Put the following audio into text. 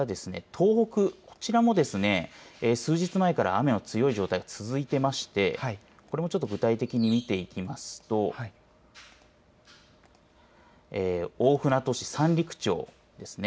東北、こちらもですね数日前から雨が強い状態が続いていましてこれもちょっと具体的に見ていきますと大船渡市三陸町ですね。